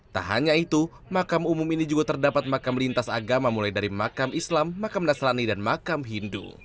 tak hanya itu makam umum ini juga terdapat makam lintas agama mulai dari makam islam makam nasrani dan makam hindu